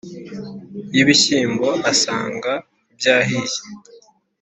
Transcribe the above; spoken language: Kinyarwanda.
y'ibishyimbo asanga byahiye.